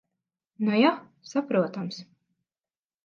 Nu ja. Saprotams.